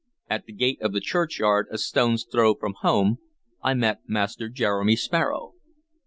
At the gate of the churchyard, a stone's throw from home, I met Master Jeremy Sparrow.